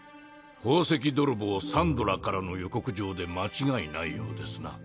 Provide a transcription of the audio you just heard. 宝石泥棒サンドラからの予告状で間違いないようですな。